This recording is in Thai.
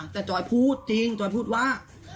แต่จอยพูดจริงจอยพูดว่า